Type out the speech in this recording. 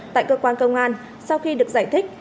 tại cơ quan công an sau khi được giải thích